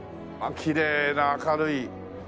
きれいな明るい。